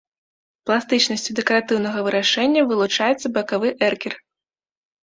Пластычнасцю дэкаратыўнага вырашэння вылучаецца бакавы эркер.